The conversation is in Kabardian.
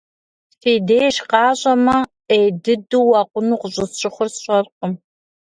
Фи деж къащӏэмэ, Ӏей дыдэу уакъуну къыщӏысщыхъур сщӏэркъым.